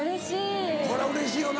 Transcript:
これはうれしいよな。